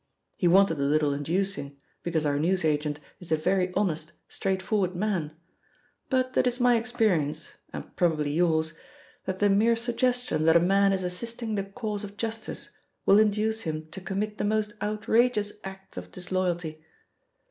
He wanted a little inducing, because our newsagent is a very honest, straightforward man, but it is my experience, and probably yours, that the mere suggestion that a man is assisting the cause of justice will induce him to commit the most outrageous acts of disloyalty.